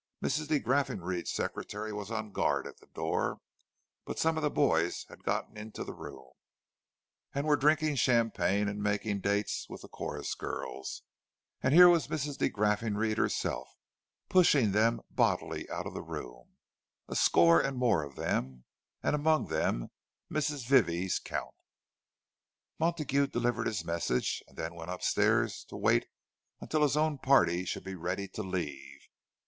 Mrs. de Graffenried's secretary was on guard at the door; but some of the boys had got into the room, and were drinking champagne and "making dates" with the chorus girls. And here was Mrs. de Graffenried herself, pushing them bodily out of the room, a score and more of them—and among them Mrs. Vivie's Count! Montague delivered his message, and then went upstairs to wait until his own party should be ready to leave.